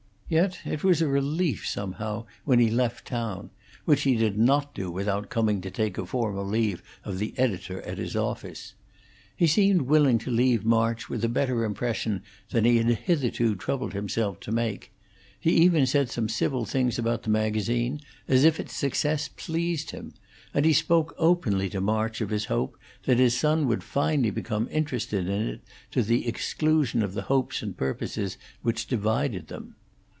Yet it was a relief, somehow, when he left town, which he did not do without coming to take a formal leave of the editor at his office. He seemed willing to leave March with a better impression than he had hitherto troubled himself to make; he even said some civil things about the magazine, as if its success pleased him; and he spoke openly to March of his hope that his son would finally become interested in it to the exclusion of the hopes and purposes which divided them.